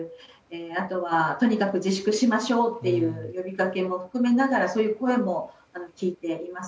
あとは、とにかく自粛しましょうという呼びかけも含めながらそういう声も聞いています。